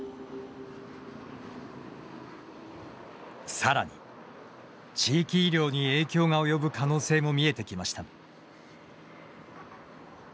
さらに、地域医療に影響が及ぶ可能性も見えてきました。